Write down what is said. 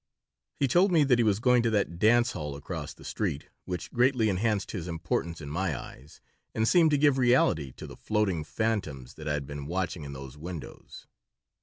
He told me that he was going to that dance hall across the street, which greatly enhanced his importance in my eyes and seemed to give reality to the floating phantoms that I had been watching in those windows.